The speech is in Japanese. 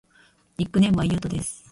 ニックネームはゆうとです。